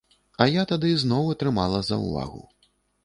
А я тады зноў атрымала заўвагу.